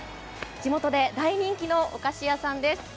地元で大人気のお菓子屋さんです。